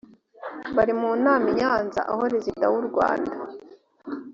bari mu nama i nyanza aho rezida w u rwanda